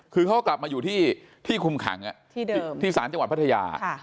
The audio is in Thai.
คือเขาก็กลับมาอยู่ที่คุมขังที่ศาลจังหวัดพัทยา